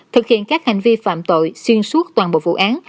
thực hiện các hành vi phạm tội xuyên suốt toàn bộ vụ án